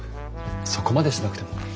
そこまでしなくても。